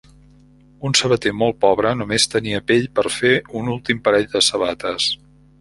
Un sabater molt pobre només tenia pell per a fer un últim parell de sabates.